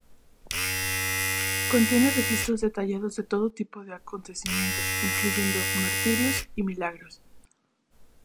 Contiene registros detallados de todo tipo de acontecimientos, incluyendo martirios y milagros.